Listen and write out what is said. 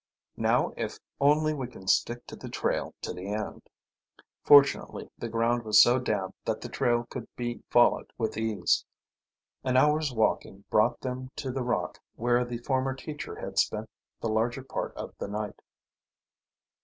"Now if only we can stick to the trail to the end." Fortunately the ground was so damp that the trail could be followed with ease. An hour's walking brought them to the rock where the former teacher had spent the larger part, of the night.